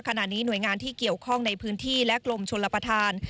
ขณะนี้หน่วยงานที่เกี่ยวข้องในพื้นที่และกลมชลประธาน